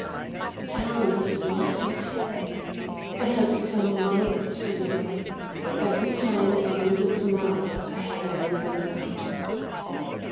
The town has lost its head. It has become Midas for the day. Every time it opens its mouth a herring comes out.